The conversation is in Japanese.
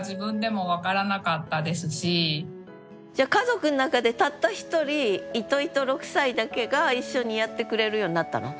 じゃあ家族の中でたった一人いといと六才だけが一緒にやってくれるようになったの？